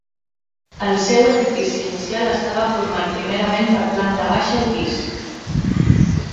El seu edifici inicial estava format primerament per planta baixa i pis.